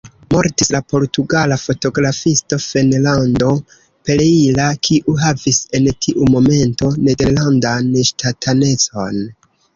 Mortis la portugala fotografisto Fernando Pereira, kiu havis en tiu momento nederlandan ŝtatanecon.